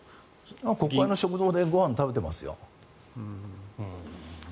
国会の食堂でご飯を食べていますよ。